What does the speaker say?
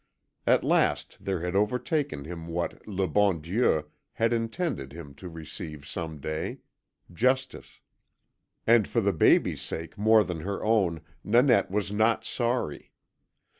At last there had overtaken him what LE BON DIEU had intended him to receive some day: justice. And for the baby's sake more than her own Nanette was not sorry.